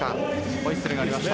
ホイッスルがありました。